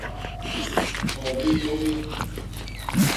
Hyobi yômi.